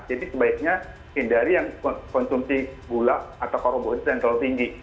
jadi sebaiknya hindari yang konsumsi gula atau karbohidrat yang terlalu tinggi